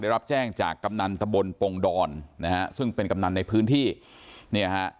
รับแจ้งจากกำนันตะบนปงดอนนะฮะซึ่งเป็นกำนันในพื้นที่เนี่ยฮะ